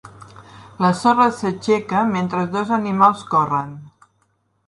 La sorra s'aixeca mentre dos animals corren